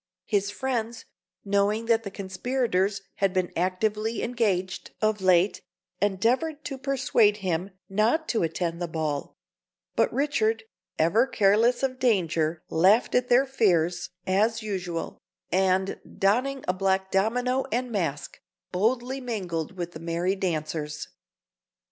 His friends, knowing that the conspirators had been actively engaged of late, endeavoured to persuade him not to attend the ball; but Richard, ever careless of danger, laughed at their fears as usual, and donning a black domino and mask, boldly mingled with the merry dancers.